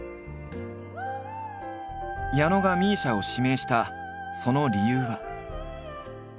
矢野がＭＩＳＩＡを指名したその理由は。